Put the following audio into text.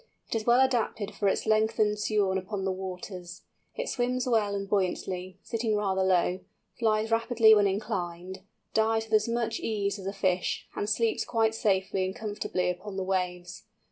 It is well adapted for its lengthened sojourn upon the waters. It swims well and buoyantly, sitting rather low, flies rapidly when inclined, dives with as much ease as a fish, and sleeps quite safely and comfortably upon the waves.